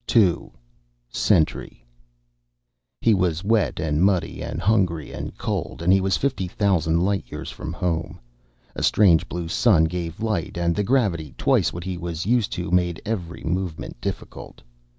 Sentry He was wet and muddy and hungry and cold, and he was fifty thousand light years from home. A strange blue sun gave light and the gravity, twice what he was used to, made every movement difficult.